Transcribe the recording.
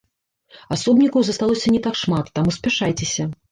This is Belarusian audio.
Асобнікаў засталося не так шмат, таму спяшайцеся!